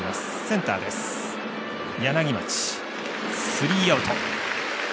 スリーアウト。